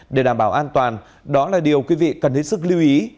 để đảm bảo an toàn đó là điều quý vị cần hết sức lưu ý